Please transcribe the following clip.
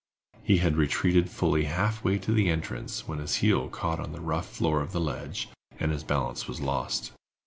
He had retreated fully half way to the entrance, when his heel caught in the rough floor of the ledge, and his balance was lost.